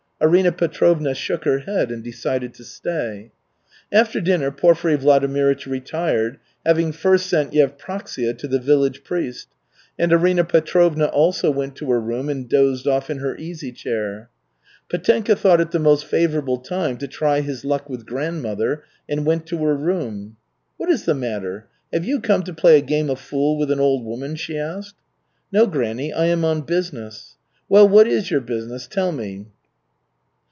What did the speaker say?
Arina Petrovna shook her head and decided to stay. After dinner Porfiry Vladimirych retired, having first sent Yevpraksia to the village priest, and Arina Petrovna also went to her room and dozed off in her easy chair. Petenka thought it the most favorable time to try his luck with grandmother, and went to her room. "What is the matter? Have you come to play a game of fool with an old woman?" she asked. "No, granny, I am on business." "Well, what is your business? Tell me."